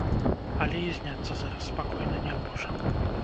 Але і зняцца зараз спакойна не можа.